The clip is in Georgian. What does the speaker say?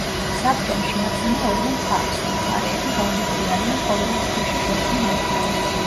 საბჭომ შეახსენა ორივე მხარეს, რომ მხარეები ვალდებული არიან ყოველ ორ თვეში შეხვდნენ ერთმანეთს.